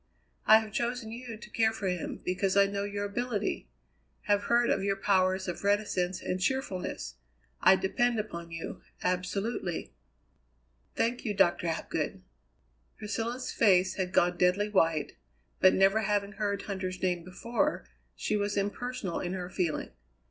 I have chosen you to care for him, because I know your ability; have heard of your powers of reticence and cheerfulness. I depend upon you absolutely." "Thank you, Doctor Hapgood." Priscilla's face had gone deadly white, but never having heard Huntter's name before, she was impersonal in her feeling.